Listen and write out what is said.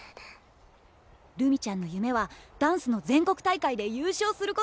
るみちゃんの夢はダンスの全国大会で優勝することだよね？